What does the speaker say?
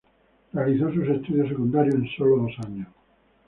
Realizó sus estudios secundarios en solo dos años.